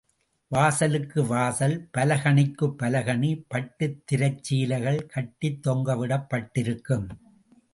வாசலுக்கு வாசல் பலகணிக்குப் பலகணி பட்டுத் திரைச் சீலைகள் கட்டித் தொங்கவிடப் பட்டிருக்கும்.